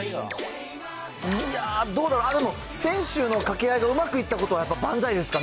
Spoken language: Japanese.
いや、どうだろう、でも先週の掛け合いでうまくいったことは万歳ですかね。